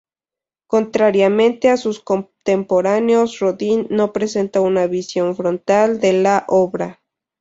Contrariamente a sus contemporáneos, Rodin no presentó una visión frontal de la obra.